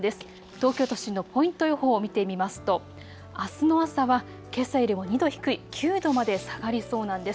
東京都心のポイント予報を見てみますとあすの朝はけさよりも２度低い９度まで下がりそうなんです。